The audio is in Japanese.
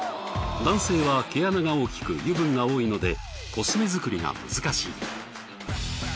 男性は毛穴が大きく油分が多いのでコスメ作りが難しい。